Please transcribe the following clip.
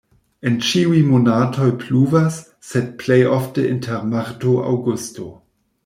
En ĉiuj monatoj pluvas, sed plej ofte inter marto-aŭgusto.